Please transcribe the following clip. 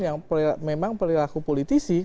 yang memang perilaku politisi